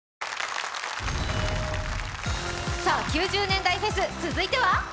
９０年代フェス、続いては！